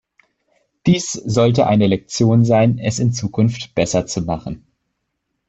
Dies sollte eine Lektion sein, es in Zukunft besser zu machen.